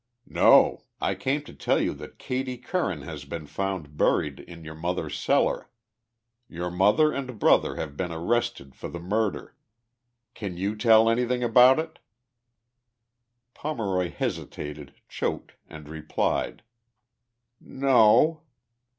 — Xo ; I came to tell you that Ivatie Curran has been found buried in your mother's cellar. Your mother and brother have been arrested for the murder. Can you tell any thing about it ?" Pomeroy hesitated, choked and replied, " Xo."